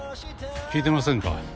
聞いてませんか？